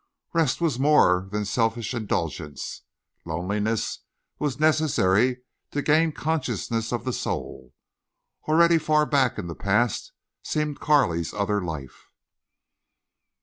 Rest was more than selfish indulgence. Loneliness was necessary to gain consciousness of the soul. Already far back in the past seemed Carley's other life.